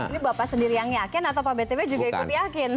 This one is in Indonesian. ini bapak sendiri yang yakin atau pak btp juga ikut yakin